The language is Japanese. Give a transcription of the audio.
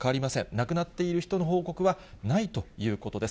亡くなっている人の報告はないということです。